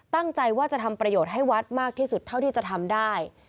ตั้งใจว่าจะทำประโยชน์ให้วัดมากที่สุดเท่าที่จะทำได้